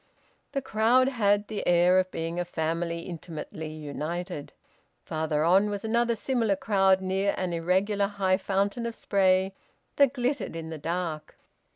The crowd had the air of being a family intimately united. Farther on was another similar crowd, near an irregular high fountain of spray that glittered in the dark.